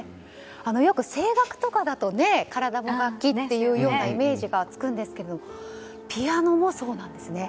よく声楽とかだと体も楽器というようなイメージがつくんですけどピアノもそうなんですね。